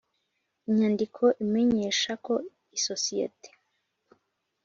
inyandiko imenyesha ko isosiyete